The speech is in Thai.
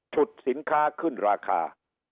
ฉุดสินค้าขึ้นราคา